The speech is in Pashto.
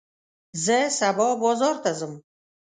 زه سبا بازار ته ځم.